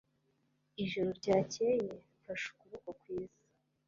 ijoro ryakeye mfashe ukuboko kwiza